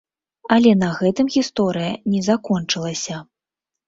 Але на гэтым гісторыя не закончылася.